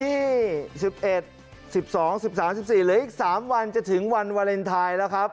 ที่๑๑๑๒๑๓๑๔เหลืออีก๓วันจะถึงวันวาเลนไทยแล้วครับ